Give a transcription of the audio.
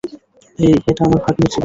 এই, এটা আমার ভাগ্নির জীবন!